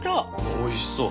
おいしそう。